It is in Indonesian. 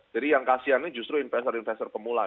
jadi yang kasiannya justru investor investor pemula